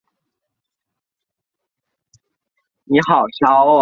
奉圣都虞候王景以所部投降石敬瑭。